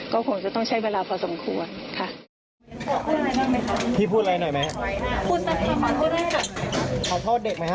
ก็คงจะต้องใช้เวลาพอสมควรค่ะ